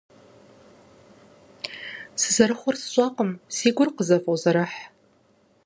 Сызэрыхъур сщӀэркъым, си гур къызэфӀозэрыхь.